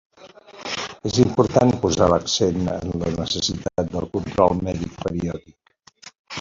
És important posar l'accent en la necessitat del control mèdic periòdic.